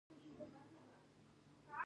نوروز د نوي کال پیل دی.